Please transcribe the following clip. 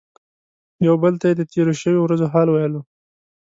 یو بل ته یې د تیرو شویو ورځو حال ویلو.